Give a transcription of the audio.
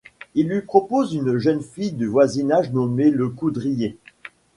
Ils lui proposent une jeune fille du voisinage nommée Le Coudrier.